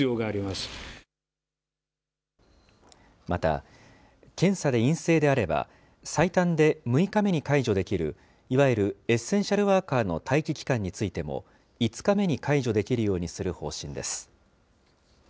また、検査で陰性であれば、最短で６日目に解除できる、いわゆるエッセンシャルワーカーの待機期間についても、５日目に解除できるようにする方針です。